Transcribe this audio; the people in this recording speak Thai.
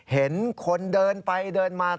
เห็นคนเดินไปเดินมา